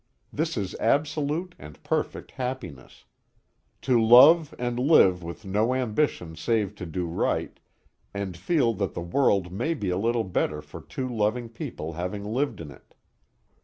This is absolute and perfect happiness. To love and live with no ambition save to do right, and feel that the world may be a little better for two loving people having lived in it.